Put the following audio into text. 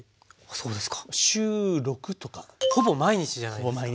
そうですか。